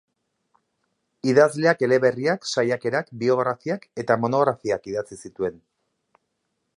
Idazleak eleberriak, saiakerak, biografiak eta monografiak idatzi zituen.